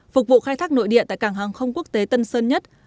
phục vụ khai thác nội địa tại cảng hàng không quốc tế tân sơn nhất